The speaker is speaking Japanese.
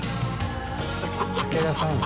武田さんや。